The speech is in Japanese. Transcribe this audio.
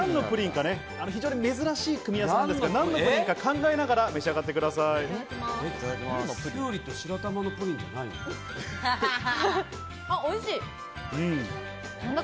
珍しい組み合わせですが、何のプリンか考えながら召し上がってくおいしい。